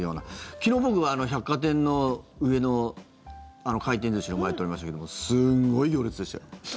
昨日僕、百貨店の上の回転寿司の前、通りましたけどもすごい行列でしたよ。